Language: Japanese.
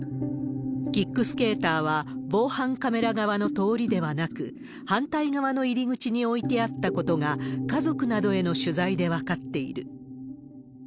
キックスケーターは、防犯カメラ側の通りではなく、反対側の入り口に置いてあったことが、家族などへの取材で分かっている。